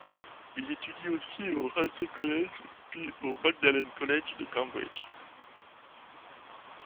Il étudie aussi au Radley College, puis au Magdalene College de Cambridge.